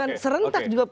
dan serentak juga pileg